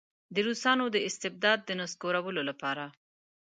د روسانو د استبداد د نسکورولو لپاره.